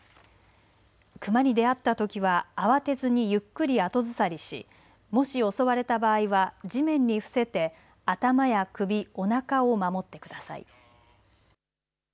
熊に出会ったときは慌てずに、ゆっくり後ずさりしもし襲われた場合は地面に伏せて頭や首おなかを守ってください。